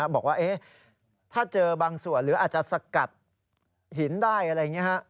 บอกว่าถ้าเจอบางส่วนหรืออาจจะสกัดหินได้อะไรอย่างนี้